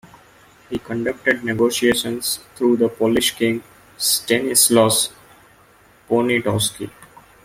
He conducted negotiations through the Polish king Stanislaus Poniatowski.